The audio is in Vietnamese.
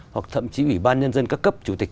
hoặc thậm chí ủy ban nhân dân các cấp chủ tịch